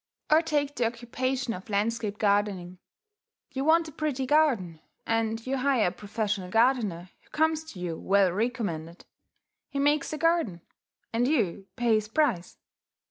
Or take the occupation of landscape gardening. You want a pretty garden; and you hire a professional gardener who comes to you well recommended. He makes the garden; and you pay his price.